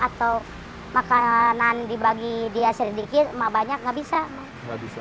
atau makanan dibagi dia sedikit emak banyak enggak bisa